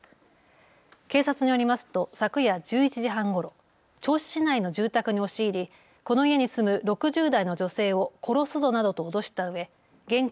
警察によりますと昨夜１１時半ごろ、銚子市内の住宅に押し入り、この家に住む６０代の女性を殺すぞなどと脅したうえ現金